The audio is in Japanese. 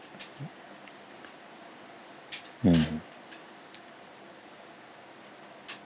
うん。